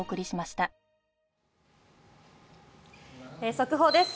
速報です。